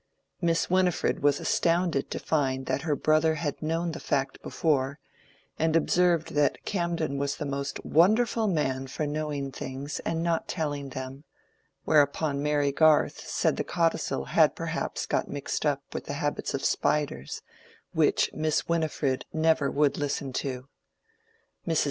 Miss Winifred was astounded to find that her brother had known the fact before, and observed that Camden was the most wonderful man for knowing things and not telling them; whereupon Mary Garth said that the codicil had perhaps got mixed up with the habits of spiders, which Miss Winifred never would listen to. Mrs.